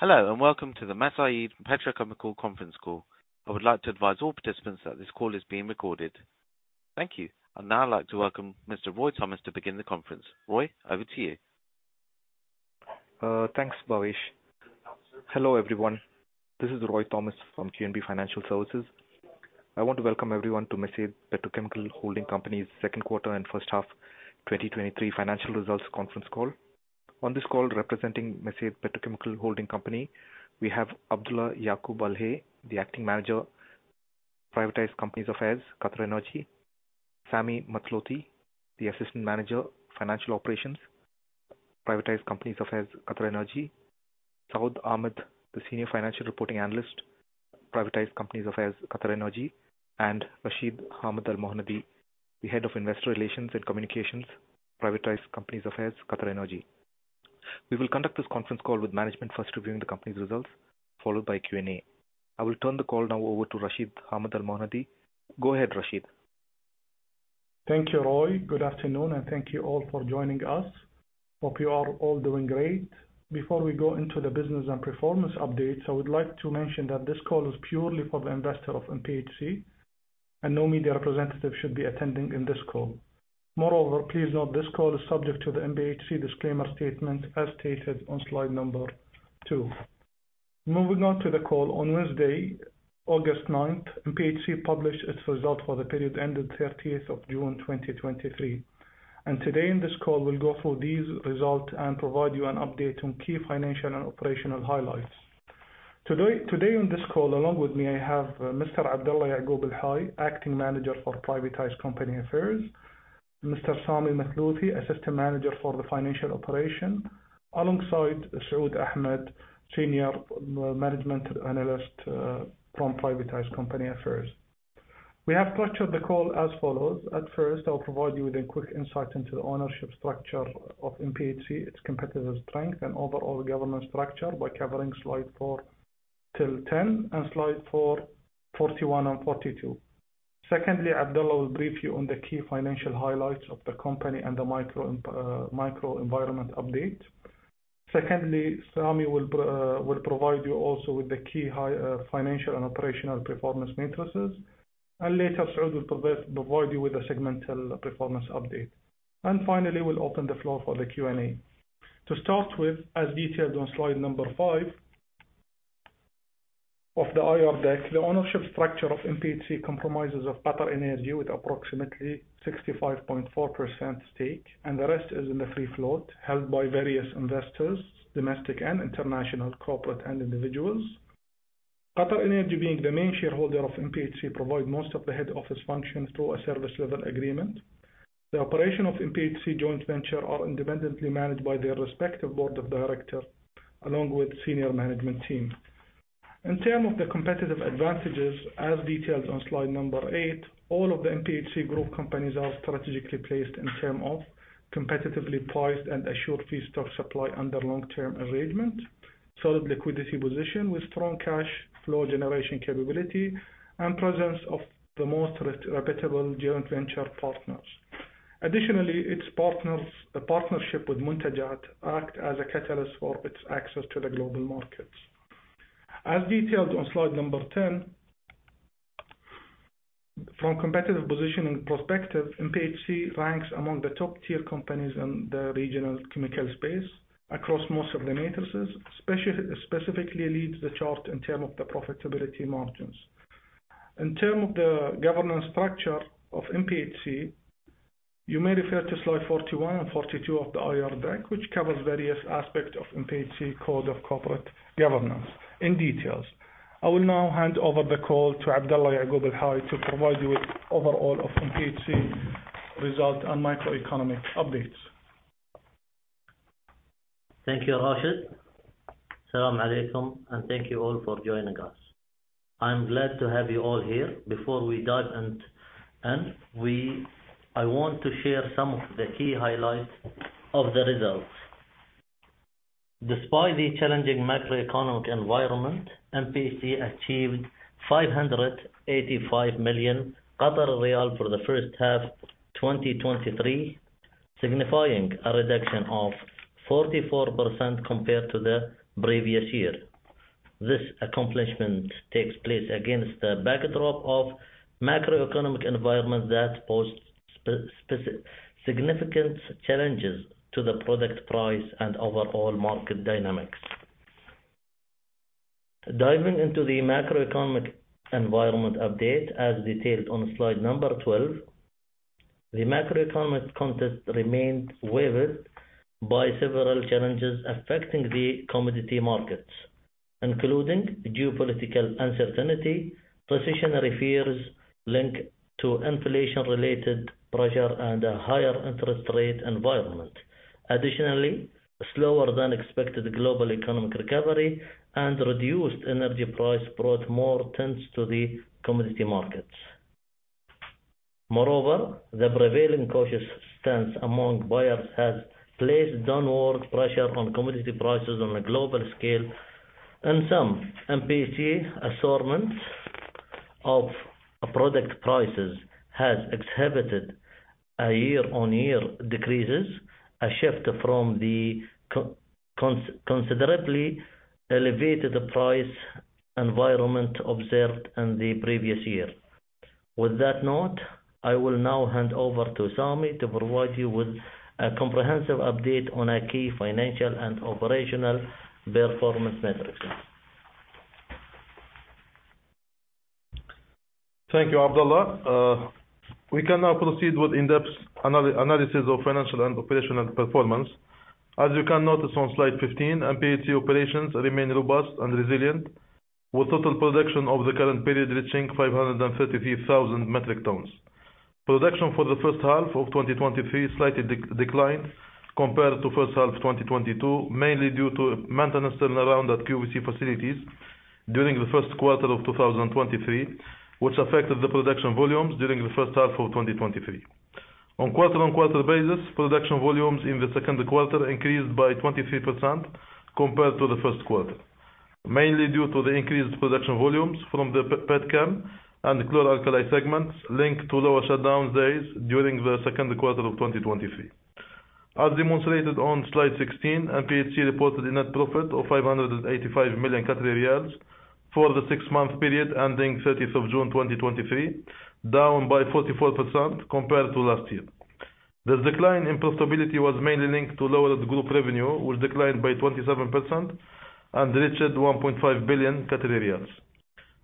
Welcome to the Mesaieed Petrochemical conference call. I would like to advise all participants that this call is being recorded. Thank you. I'd now like to welcome Mr. Roy Thomas to begin the conference. Roy, over to you. Thanks, Bhavesh. Hello, everyone. This is Roy Thomas from QNB Financial Services. I want to welcome everyone to Mesaieed Petrochemical Holding Company's second quarter and first half 2023 financial results conference call. On this call representing Mesaieed Petrochemical Holding Company, we have Abdulla Yaqoob Al-Hay, the Acting Manager, Privatized Companies Affairs, QatarEnergy, Sami Mathlouthi, the Assistant Manager, Financial Operations, Privatized Companies Affairs, QatarEnergy, Saud Ahmed, the Senior Financial Reporting Analyst, Privatized Companies Affairs, QatarEnergy, and Rashid Hamad Al-Mohannadi, the Head of Investor Relations and Communications, Privatized Companies Affairs, QatarEnergy. We will conduct this conference call with management first reviewing the company's results, followed by Q&A. I will turn the call now over to Rashid Hamad Al-Mohannadi. Go ahead, Rashid. Thank you, Roy. Good afternoon, and thank you all for joining us. Hope you are all doing great. Before we go into the business and performance updates, I would like to mention that this call is purely for the investor of MPHC, no media representative should be attending in this call. Moreover, please note this call is subject to the MPHC disclaimer statement as stated on slide number two. Moving on to the call. On Wednesday, August ninth, MPHC published its result for the period ending 13th of June 2023. Today in this call, we'll go through these results and provide you an update on key financial and operational highlights. Today on this call, along with me, I have Mr. Abdulla Yaqoob Al-Hay, Acting Manager for Privatized Companies Affairs, Mr. Sami Mathlouthi, Assistant Manager for the Financial Operations, alongside Saud Ahmed, Senior Financial Reporting Analyst, from Privatized Companies Affairs. We have structured the call as follows. At first, I'll provide you with a quick insight into the ownership structure of MPHC, its competitive strength, and overall governance structure by covering slide four till 10 and slide 41 and 42. Secondly, Abdulla will brief you on the key financial highlights of the company and the macro environment update. Secondly, Sami will provide you also with the key financial and operational performance metrics. Later, Saud will provide you with a segmental performance update. Finally, we'll open the floor for the Q&A. To start with, as detailed on slide number five of the IR deck, the ownership structure of MPHC compromises of QatarEnergy with approximately 65.4% stake, and the rest is in the free float held by various investors, domestic and international, corporate, and individuals. QatarEnergy, being the main shareholder of MPHC, provide most of the head office functions through a service level agreement. The operation of MPHC joint venture are independently managed by their respective board of director along with senior management team. In term of the competitive advantages, as detailed on slide number eight, all of the MPHC group companies are strategically placed in term of competitively priced and assured feedstock supply under long-term arrangement, solid liquidity position with strong cash flow generation capability, and presence of the most reputable joint venture partners. Additionally, its partnership with Muntajat act as a catalyst for its access to the global markets. As detailed on slide number 10, from competitive positioning perspective, MPHC ranks among the top-tier companies in the regional chemical space across most of the matrices, specifically leads the chart in term of the profitability margins. In term of the governance structure of MPHC, you may refer to slide 41 and 42 of the IR deck, which covers various aspects of MPHC code of corporate governance in details. I will now hand over the call to Abdulla Yaqoob Al-Hay to provide you with overall of MPHC result and macroeconomic updates. Thank you, Rashid. Salam alaykum, and thank you all for joining us. I'm glad to have you all here. Before we dive in, I want to share some of the key highlights of the results. Despite the challenging macroeconomic environment, MPHC achieved 585 million for the first half 2023, signifying a reduction of 44% compared to the previous year. This accomplishment takes place against the backdrop of macroeconomic environment that posed significant challenges to the product price and overall market dynamics. Diving into the macroeconomic environment update as detailed on slide number 12, the macroeconomic context remained weighed by several challenges affecting the commodity markets, including geopolitical uncertainty, recessionary fears linked to inflation-related pressure, and a higher interest rate environment. Additionally, slower than expected global economic recovery and reduced energy price brought more tense to the commodity markets. Moreover, the prevailing cautious stance among buyers has placed downward pressure on commodity prices on a global scale and some MPHC assortments of product prices has exhibited a year-on-year decreases, a shift from the considerably elevated price environment observed in the previous year. With that note, I will now hand over to Sami to provide you with a comprehensive update on our key financial and operational performance metrics. Thank you, Abdullah. We can now proceed with in-depth analysis of financial and operational performance. As you can notice on slide 15, MPHC operations remain robust and resilient, with total production over the current period reaching 533,000 metric tons. Production for the first half of 2023 slightly declined compared to first half 2022, mainly due to maintenance turnaround at QVC facilities during the first quarter of 2023, which affected the production volumes during the first half of 2023. On a quarter-on-quarter basis, production volumes in the second quarter increased by 23% compared to the first quarter. Mainly due to the increased production volumes from the petchem and chlor-alkali segments linked to lower shutdown days during the second quarter of 2023. As demonstrated on slide 16, MPHC reported a net profit of 585 million Qatari riyals for the six-month period ending 30th of June 2023, down by 44% compared to last year. This decline in profitability was mainly linked to lowered group revenue, which declined by 27% and reached 1.5 billion Qatari riyals.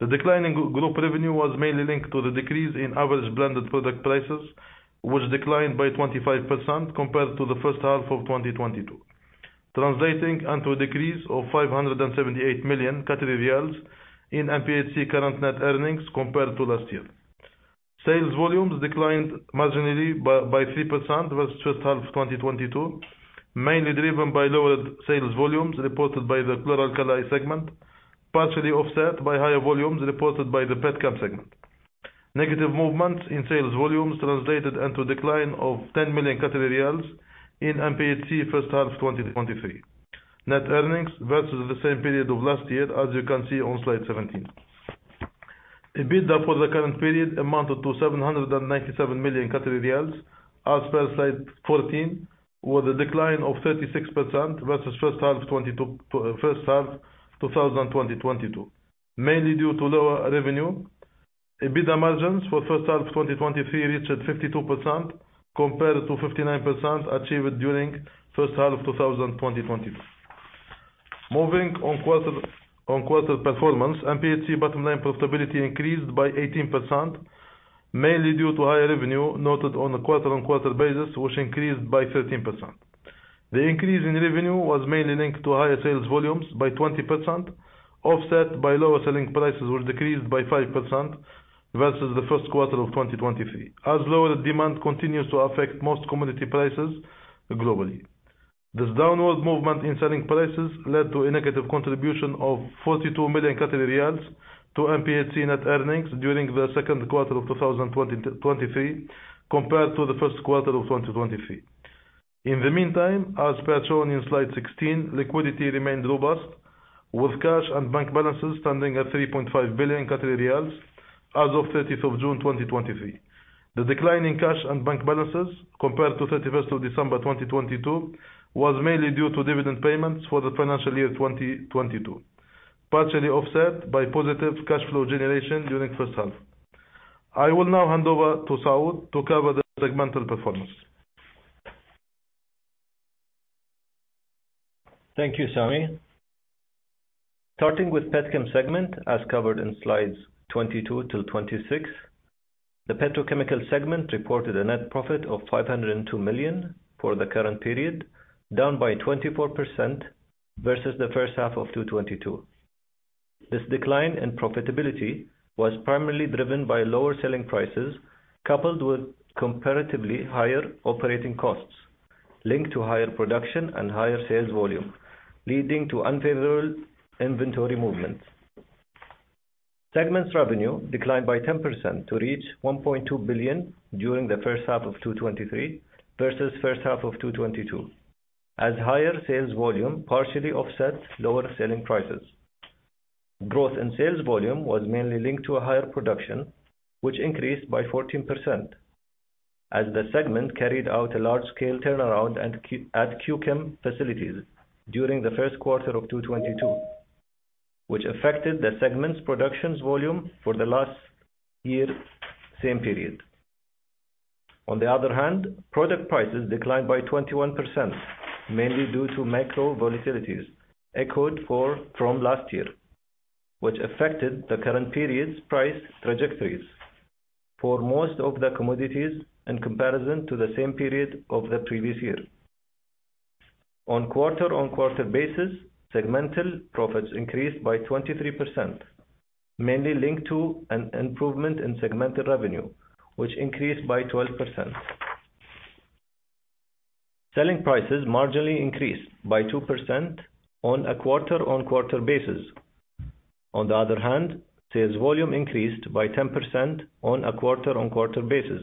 The decline in group revenue was mainly linked to the decrease in average blended product prices, which declined by 25% compared to the first half of 2022. Translating into a decrease of 578 million Qatari riyals in MPHC current net earnings compared to last year. Sales volumes declined marginally by 3% versus first half 2022, mainly driven by lowered sales volumes reported by the chlor-alkali segment, partially offset by higher volumes reported by the petchem segment. Negative movements in sales volumes translated into a decline of 10 million in MPHC first half 2023 net earnings versus the same period of last year, as you can see on slide 17. EBITDA for the current period amounted to 797 million as per slide 14, with a decline of 36% versus first half 2022, mainly due to lower revenue. EBITDA margins for first half 2023 reached 52%, compared to 59% achieved during first half 2022. Moving on quarter-on-quarter performance, MPHC bottom line profitability increased by 18%, mainly due to higher revenue noted on a quarter-on-quarter basis, which increased by 13%. The increase in revenue was mainly linked to higher sales volumes by 20%, offset by lower selling prices, which decreased by 5% versus the first quarter of 2023. As lower demand continues to affect most commodity prices globally, this downward movement in selling prices led to a negative contribution of 42 million Qatari riyals to MPHC net earnings during the second quarter of 2023, compared to the first quarter of 2023. In the meantime, as per shown in slide 16, liquidity remained robust with cash and bank balances standing at 3.5 billion Qatari riyals as of 30th of June 2023. The decline in cash and bank balances compared to 31st of December 2022 was mainly due to dividend payments for the financial year 2022, partially offset by positive cash flow generation during first half. I will now hand over to Saud to cover the segmental performance. Thank you, Sami. Starting with petchem segment, as covered in slides 22 till 26. The petrochemical segment reported a net profit of 502 million for the current period, down by 24% versus the first half of 2022. This decline in profitability was primarily driven by lower selling prices, coupled with comparatively higher operating costs linked to higher production and higher sales volume, leading to unfavorable inventory movements. Segment's revenue declined by 10% to reach 1.2 billion during the first half of 2023 versus first half of 2022, as higher sales volume partially offset lower selling prices. Growth in sales volume was mainly linked to a higher production, which increased by 14%, as the segment carried out a large-scale turnaround at Q-Chem facilities during the first quarter of 2022, which affected the segment's productions volume for the last year same period. Product prices declined by 21%, mainly due to macro volatilities echoed from last year, which affected the current period's price trajectories for most of the commodities in comparison to the same period of the previous year. On a quarter-on-quarter basis, segmental profits increased by 23%, mainly linked to an improvement in segmental revenue, which increased by 12%. Selling prices marginally increased by 2% on a quarter-on-quarter basis. Sales volume increased by 10% on a quarter-on-quarter basis,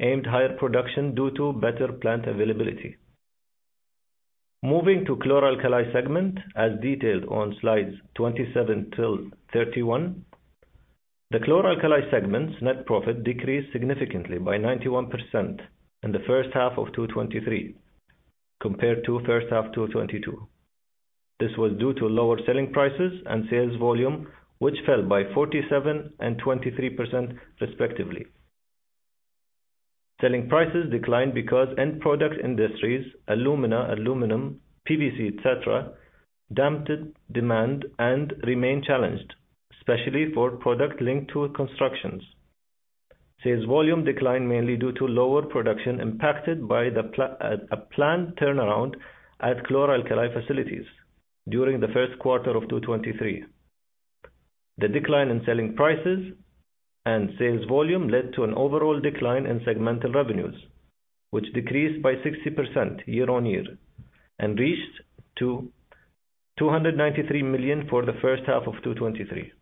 aimed higher production due to better plant availability. Moving to chlor-alkali segment, as detailed on slides 27 till 31. The chlor-alkali segment's net profit decreased significantly by 91% in the first half of 2023 compared to first half 2022. This was due to lower selling prices and sales volume, which fell by 47% and 23% respectively. Selling prices declined because end product industries, alumina, aluminum, PVC, et cetera, dampened demand and remain challenged, especially for product linked to constructions. Sales volume declined mainly due to lower production impacted by a planned turnaround at chlor-alkali facilities during the first quarter of 2023. The decline in selling prices and sales volume led to an overall decline in segmental revenues, which decreased by 60% year-on-year and reached to $293 million for the first half of 2023.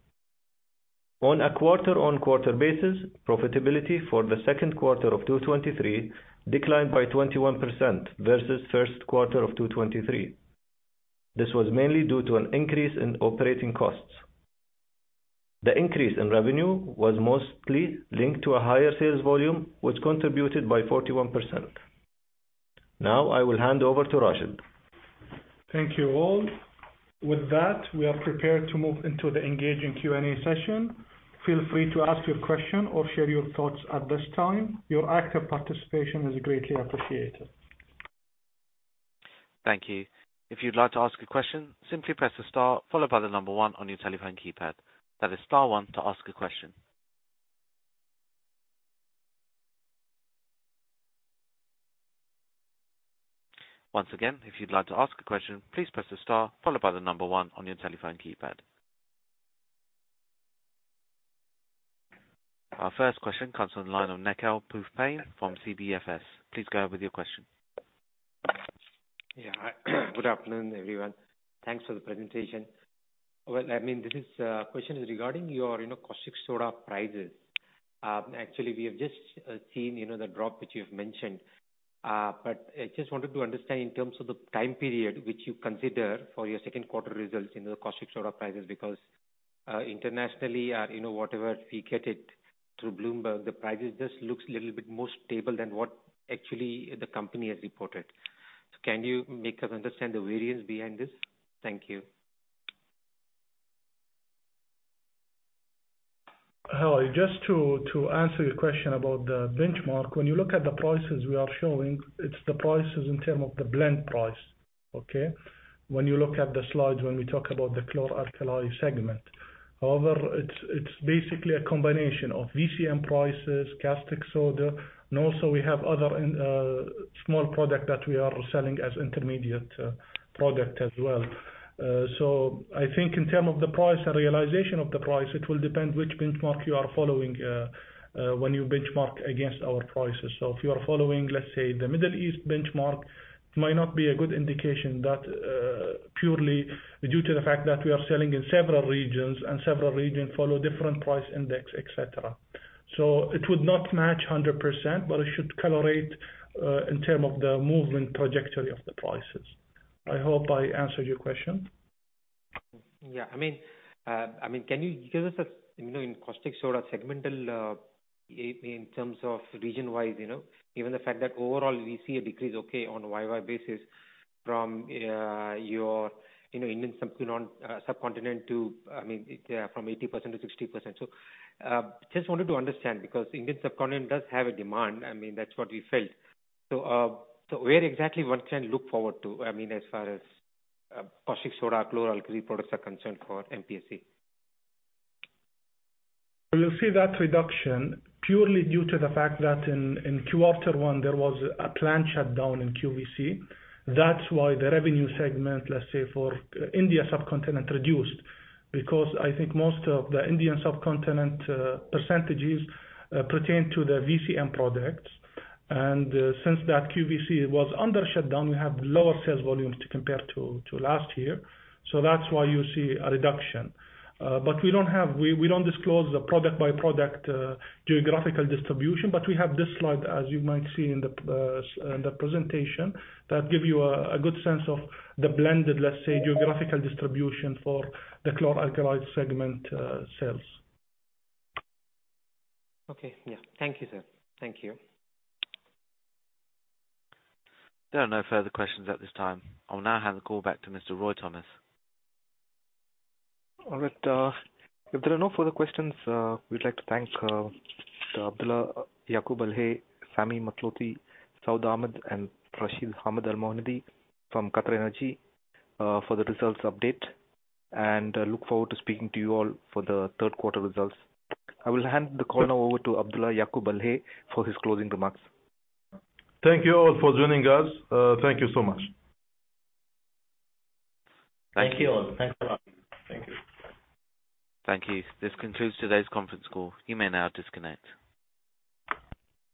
On a quarter-on-quarter basis, profitability for the second quarter of 2023 declined by 21% versus first quarter of 2023. This was mainly due to an increase in operating costs. The increase in revenue was mostly linked to a higher sales volume, which contributed by 41%. Now I will hand over to Rashid. Thank you all. We are prepared to move into the engaging Q&A session. Feel free to ask your question or share your thoughts at this time. Your active participation is greatly appreciated. Thank you. If you'd like to ask a question, simply press the star followed by the number one on your telephone keypad. That is star one to ask a question. Once again, if you'd like to ask a question, please press the star followed by the number one on your telephone keypad. Our first question comes on the line of Nakul Bhupay from CBFS. Please go with your question. Yeah. Good afternoon, everyone. Thanks for the presentation. Well, this question is regarding your caustic soda prices. Actually, we have just seen the drop that you've mentioned. I just wanted to understand in terms of the time period which you consider for your second quarter results in the caustic soda prices, because internationally, whatever we get it through Bloomberg, the prices just looks a little bit more stable than what actually the company has reported. Can you make us understand the variance behind this? Thank you. Hello. Just to answer your question about the benchmark, when you look at the prices we are showing, it's the prices in term of the blend price, okay? When you look at the slides when we talk about the chlor-alkali segment. However, it's basically a combination of VCM prices, caustic soda, and also we have other small product that we are selling as intermediate product as well. I think in term of the price and realization of the price, it will depend which benchmark you are following when you benchmark against our prices. If you are following, let's say, the Middle East benchmark, it might not be a good indication. That purely due to the fact that we are selling in several regions, and several regions follow different price index, et cetera. It would not match 100%, but it should correlate in term of the movement trajectory of the prices. I hope I answered your question. Yeah. Can you give us in caustic soda segmental, in terms of region-wise? Given the fact that overall we see a decrease on a year-over-year basis from your Indian subcontinent to from 80% to 60%. Just wanted to understand because Indian subcontinent does have a demand, that's what we felt. Where exactly one can look forward to as far as caustic soda, chlor-alkali products are concerned for MPHC? You see that reduction purely due to the fact that in Q1, there was a plant shutdown in QVC. That's why the revenue segment, let's say for India subcontinent reduced because I think most of the Indian subcontinent percentages pertain to the VCM products. Since that QVC was under shutdown, we have lower sales volumes compared to last year. That's why you see a reduction. We don't disclose the product-by-product geographical distribution. We have this slide, as you might see in the presentation, that give you a good sense of the blended, let's say, geographical distribution for the chlor-alkali segment sales. Okay. Yeah. Thank you, sir. Thank you. There are no further questions at this time. I'll now hand the call back to Mr. Roy Thomas. All right. If there are no further questions, we'd like to thank Abdulla Yaqoob Al-Hay, Sami Mathlouthi, Saud Ahmed, and Rashid Hamad Al-Mohannadi from QatarEnergy for the results update. Look forward to speaking to you all for the third quarter results. I will hand the call now over to Abdulla Yaqoob Al-Hay for his closing remarks. Thank you all for joining us. Thank you so much. Thank you all. Thanks a lot. Thank you. Thank you. This concludes today's conference call. You may now disconnect.